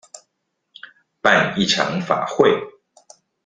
辦一場法會